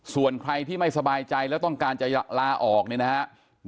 ส่วนใครที่ไม่สบายใจแล้วต้องการจะลาออกเนี่ยนะครับ